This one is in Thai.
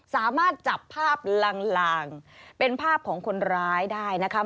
สามารถจับภาพลางเป็นภาพของคนร้ายได้นะคะ